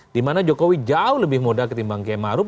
dimana jokowi jauh lebih mudah ketimbang km harup